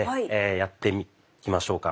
やっていきましょうか。